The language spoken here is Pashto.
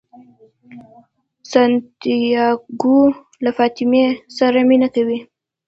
سانتیاګو له فاطمې سره مینه کوي.